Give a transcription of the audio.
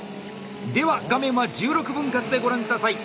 では画面は１６分割でご覧下さい！